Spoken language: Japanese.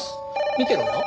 見てろよ。